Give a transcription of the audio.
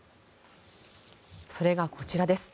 それがこちらです。